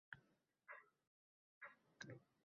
Sen hammadan oldin tushunasan.